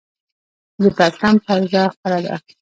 د پرتم پرده خوره ده